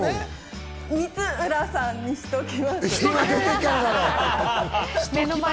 光浦さんにしておきます。